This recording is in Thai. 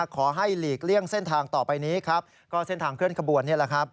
ขอให้หลีกเลี่ยงเส้นทางต่อไปนี้คือเส้นทางเคลื่อนขบวน